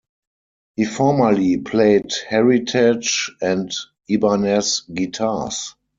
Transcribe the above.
He formerly played Heritage and Ibanez guitars.